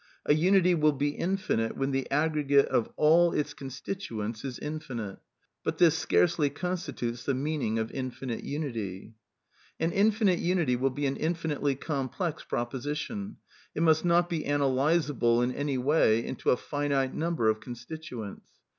A unity will be infinite when the aggregate of all its con stituents is infinite; but this scarcely constitutes the meaning of infinite unity. ..•" An i nfinite unity will be an infinitely ^f^nitf^^ PTglfflflJ^^^*^ • it mus^Jftot be analysable in any way into a finite nimiber of constituents.